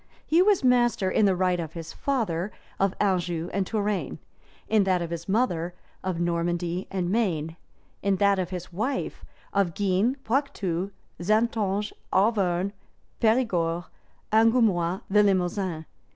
He was master, in the right of his father, of Anjou and Touraine; in that of his mother, of Normandy and Maine; in that of his wife, of Guienne, Poictou, Xaintonge, Auvergne, Perigord, Angoumois, the Limousin.